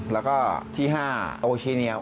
แล้วก็ที่๕โอเคเนียล